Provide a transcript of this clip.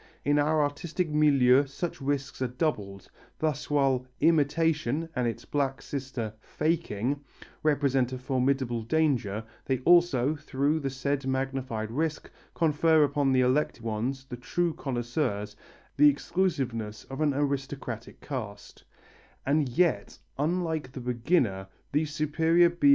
In our artistic milieu such risks are doubled, thus while "imitation," and its black sister "faking," represent a formidable danger, they also, through the said magnified risk, confer upon the elect ones, the true connoisseurs, the exclusiveness of an aristocratic caste.